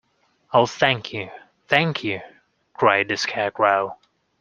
Oh, thank you — thank you! cried the Scarecrow.